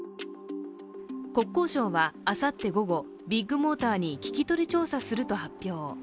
国交省はあさって午後ビッグモーターに聞き取り調査すると発表。